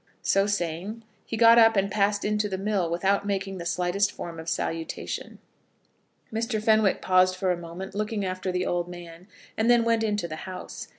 So saying, he got up and passed into the mill without making the slightest form of salutation. Mr. Fenwick paused for a minute, looking after the old man, and then went into the house.